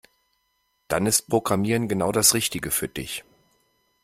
Dann ist Programmieren genau das Richtige für dich.